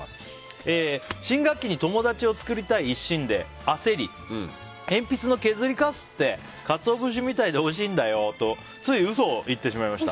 新学期に友達を作りたい一心で焦り、鉛筆の削りかすってカツオ節みたいでおいしいんだよとつい嘘を言ってしまいました。